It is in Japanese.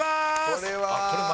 「これは」